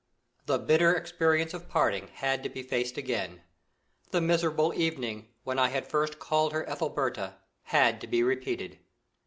The bitter experience of parting had to be faced again; the miserable evening, when I had first called her Ethelberta, had to be repeated.